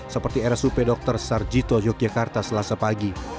seperti rsup dr sarjito yogyakarta selasa pagi